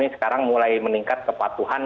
sekarang mulai meningkat kepatuhan